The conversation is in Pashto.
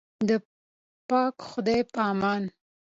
د پاک خدای په امان.